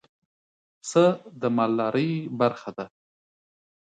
پسه د مالدارۍ برخه ده.